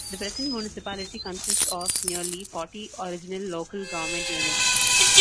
The present municipality consists of nearly forty original local government units.